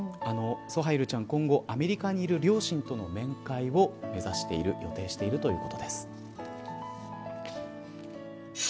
ソハイルちゃんは今後アメリカにいる両親との面会を目指している、予定しているということです。